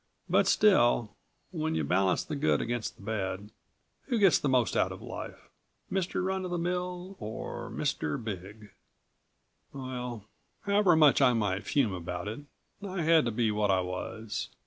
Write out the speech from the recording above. But still, when you balance the good against the bad, who gets the most out of life Mr. Run of the Mill or Mr. Big? Well ... however much I might fume about it ... I had to be what I was.